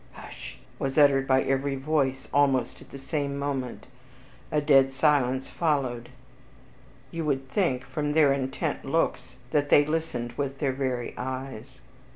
Hush! was uttered by every voice almost at the same moment. A dead silence followed, you would think, from their intent looks, that they listened with their very eyes.